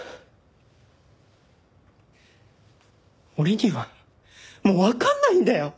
俺にはもうわかんないんだよ！